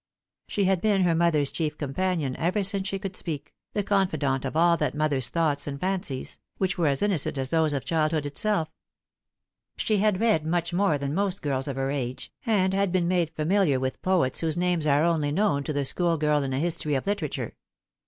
She had been her mother's chief companion ever since she could speak, the confidante of all that mother's thoughts and fancies, which were as innocent as those of childhood itself. She had read much more than most girls of her age, and had been made familiar with poets whose names are only known to the schoolgirl in a history of literature.